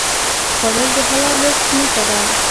خوړل د حلال رزق نښه ده